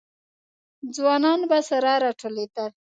ځوانان به سره راټولېدل.